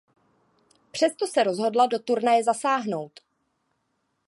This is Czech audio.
Přesto se rozhodla do turnaje zasáhnout.